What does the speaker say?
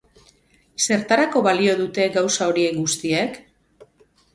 Zertarako balio dute gauza horiek guztiek?